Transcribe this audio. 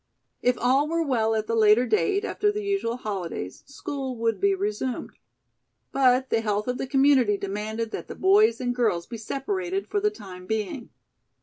If all were well at the later date, after the usual holidays, school would be resumed. But the health of the community demanded that the boys and girls be separated for the time being.